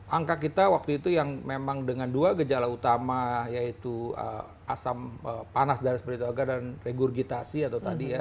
angka kita waktu itu yang memang dengan dua gejala utama yaitu asam panas dan seperti itu agar dan regurgitasi atau tadi ya